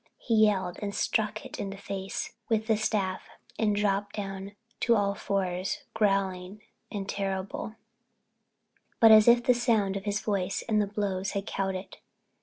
He yelled and struck it in the face with the staff and it dropped down to all fours, growling and terrible, but as if the sound of his voice and the blows had cowed it.